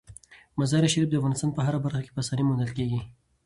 مزارشریف د افغانستان په هره برخه کې په اسانۍ موندل کېږي.